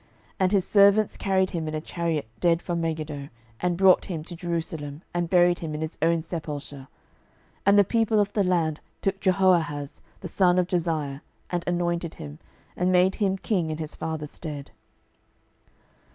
12:023:030 And his servants carried him in a chariot dead from Megiddo, and brought him to Jerusalem, and buried him in his own sepulchre. And the people of the land took Jehoahaz the son of Josiah, and anointed him, and made him king in his father's stead.